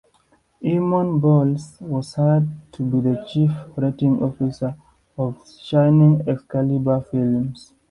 Eamonn Bowles was hired to be the chief operating officer of Shining Excalibur Films.